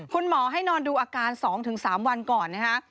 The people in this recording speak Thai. คุณหมอให้นอนดูอาการ๒๓วันก่อนนะฮะ